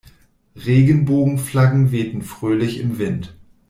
Regenbogenflaggen wehten fröhlich im Wind.